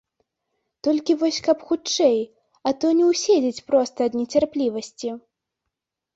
Толькі вось каб хутчэй, а то не ўседзець проста ад нецярплівасці.